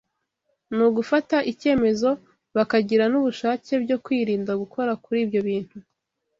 ni ugufata icyemezo bakagira n’ubushake byo kwirinda gukora kuri ibyo bintu